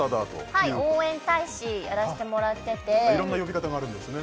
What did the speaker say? はい応援大使やらせてもらってていろんな呼び方があるんですね